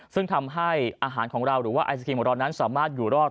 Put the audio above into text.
ซึ่งทำให้อาหารของเราหรือว่าไอศครีมของเรานั้นสามารถอยู่รอด